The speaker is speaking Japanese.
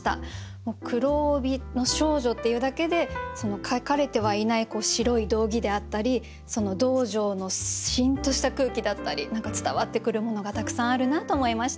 もう「黒帯の少女」っていうだけで書かれてはいない白い道着であったり道場の「シン」とした空気だったり何か伝わってくるものがたくさんあるなと思いました。